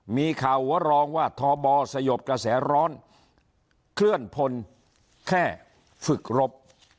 มีข่าวหัวรองว่าทบสยบกระแสร้อนเคลื่อนพลแค่ฝึกรบ